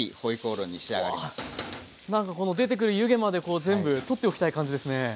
うわなんかこの出てくる湯気まで全部取っておきたい感じですね。